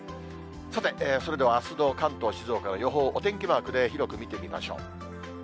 さて、それではあすの関東、静岡の予報、お天気マークで広く見てみましょう。